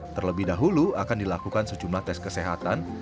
terlebih dahulu akan dilakukan sejumlah tes kesehatan